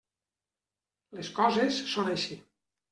Les coses són així.